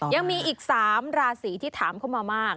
ยังมีอีก๓ราศีที่ถามเข้ามามาก